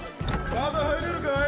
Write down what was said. まだ入れるかい？